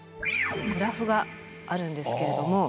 グラフがあるんですけれども。